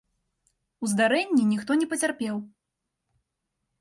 У здарэнні ніхто не пацярпеў.